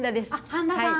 半田さん